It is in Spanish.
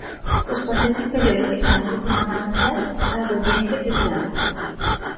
Sus partes inferiores y flancos son amarillas, salvo el vientre que es blanco.